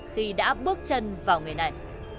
khi đã bước chân vào người này